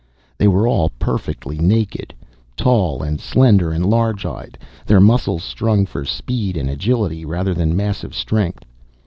They were all perfectly naked, tall and slender and large eyed, their muscles strung for speed and agility rather than massive strength.